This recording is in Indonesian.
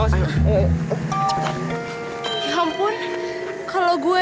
pokoknya udah kuchut